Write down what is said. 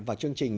vào chương trình